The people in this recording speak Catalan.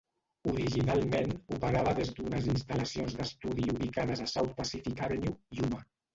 Originalment operava des d'unes instal·lacions d'estudi ubicades a South Pacific Avenue, Yuma.